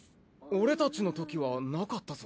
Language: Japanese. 俺たちのときはなかったぞ。